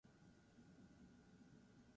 Nork utziko du lehiaketa aste honetan?